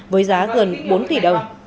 với giá gần bốn tỷ đồng